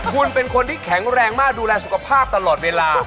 คุณเป็นคนที่แข็งแรงมากดูแลสุขภาพตลอดเวลา